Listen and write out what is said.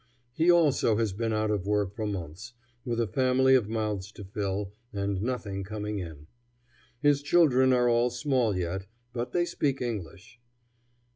He also has been out of work for months, with a family of mouths to fill, and nothing coming in. His children are all small yet, but they speak English.